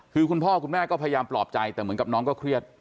คือคุณพ่อคุณแม่ก็พยายามปลอบใจแต่เหมือนกับน้องก็เครียด